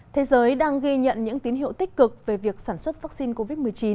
thế giới đang ghi nhận những tín hiệu tích cực về việc sản xuất vaccine covid một mươi chín